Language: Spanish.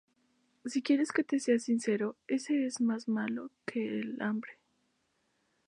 Si quieres que te sea sincero, ese es más malo que el hambre.